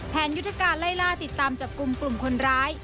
ยุทธการไล่ล่าติดตามจับกลุ่มกลุ่มคนร้าย